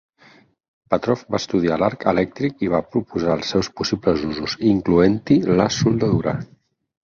Petrov va estudiar l'arc elèctric i va proposar els seus possibles usos, incloent-hi la soldadura.